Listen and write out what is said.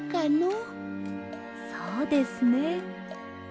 そうですね。